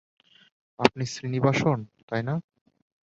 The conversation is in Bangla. আপনি শ্রীনিবাসন, তাই-না?